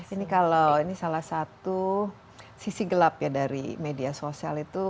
ini kalau ini salah satu sisi gelap ya dari media sosial itu